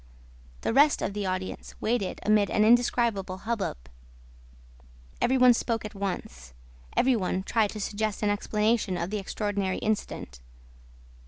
The rest of the audience waited amid an indescribable hubbub. Every one spoke at once. Every one tried to suggest an explanation of the extraordinary incident.